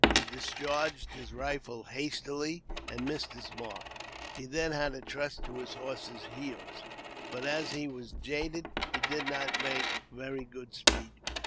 He discharged his rifle hastily, and missed his mark. He then had to trust to his horse's heels ; but, as he was jaded, he did not make very good speed.